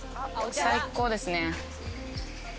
最高ですね。